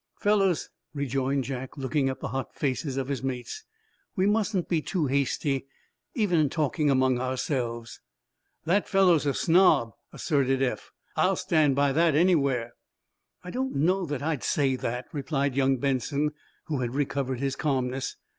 "Fellows," rejoined Jack, looking at the hot faces of his mates, "we mustn't be too hasty, even in talking among ourselves." "That fellow's a snob," asserted Eph. "I'll stand by that anywhere." "I don't know that I'd say that," replied young Benson, who had recovered his calmness.